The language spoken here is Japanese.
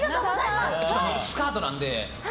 スカートなので。